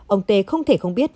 ông tê không thể không biết